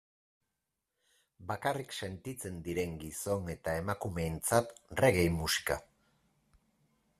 Bakarrik sentitzen diren gizon eta emakumeentzat reggae musika?